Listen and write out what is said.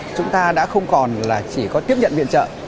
chúng ta đã không còn là chỉ có tiếp nhận viện trợ